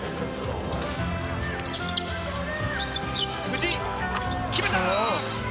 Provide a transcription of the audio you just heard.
藤井決めた！